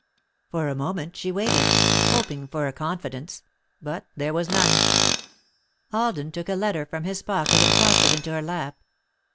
For a moment she waited, hoping for a confidence, but there was none. Alden took a letter from his pocket and tossed it into her lap.